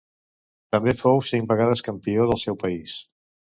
També fou cinc vegades campió del seu país.